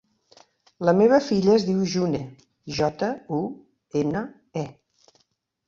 La meva filla es diu June: jota, u, ena, e.